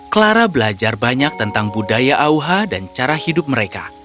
clara belajar banyak tentang budaya auha dan cara hidup mereka